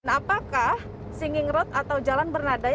apakah singing road atau jalan bernada